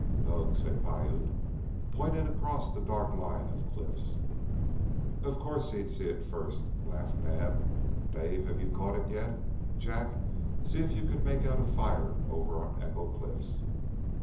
"Ugh!" said Piute, pointing across to the dark line of cliffs. "Of course he'd see it first," laughed Naab. "Dave, have you caught it yet? Jack, see if you can make out a fire over on Echo Cliffs."